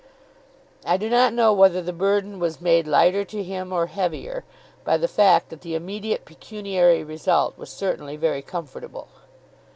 I do not know whether the burden was made lighter to him or heavier, by the fact that the immediate pecuniary result was certainly very comfortable.